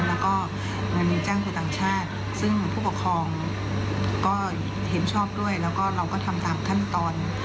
แล้วก็เงินจ้างคนต่างชาติซึ่งผู้ปกครองก็เห็นชอบด้วยแล้วก็เราก็ทำตามขั้นตอน